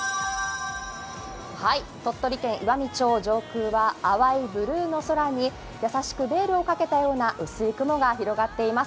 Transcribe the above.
鳥取県岩美町上空は淡いブルーの空に優しくベールをかけたような薄い雲が広がっています。